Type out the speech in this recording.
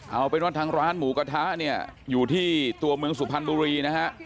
เอาเป็นว่าทางร้านหมูกระทะเนี่ยอยู่ที่ตัวเมืองสุพรรณบุรีนะฮะ